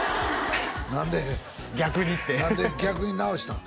逆にって何で逆に直したん？